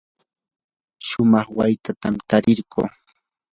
shumaq waytatam tarirquu.